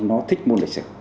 nó thích môn lịch sử